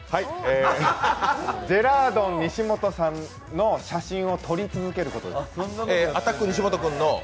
ジェラードン・西本さんの写真を撮り続けることです。